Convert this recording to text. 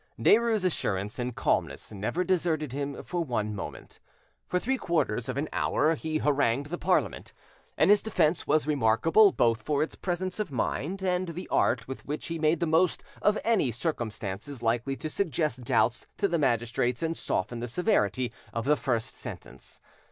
Derues' assurance and calmness never deserted him for one moment. For three quarters of an hour he harangued the Parliament, and his defence was remarkable both for its presence of mind and the art with which he made the most of any circumstances likely to suggest doubts to the magistrates and soften the severity of the first sentence.